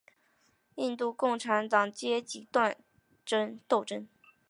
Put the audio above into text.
印度共产党阶级斗争。